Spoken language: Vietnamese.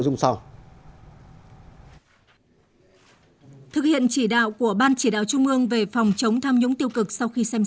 dung sau thực hiện chỉ đạo của ban chỉ đạo trung ương về phòng chống tham nhũng tiêu cực sau khi xem